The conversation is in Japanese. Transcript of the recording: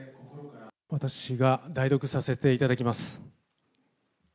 私が代読させていただきます。